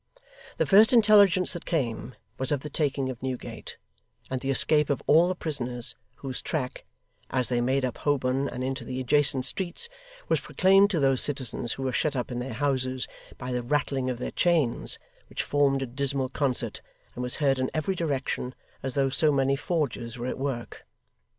The first intelligence that came, was of the taking of Newgate, and the escape of all the prisoners, whose track, as they made up Holborn and into the adjacent streets, was proclaimed to those citizens who were shut up in their houses, by the rattling of their chains, which formed a dismal concert, and was heard in every direction, as though so many forges were at work.